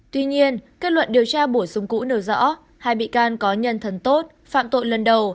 tuy nhiên kết luận điều tra bổ sung cũ nêu rõ hai bị can có nhân thần tốt phạm tội lần đầu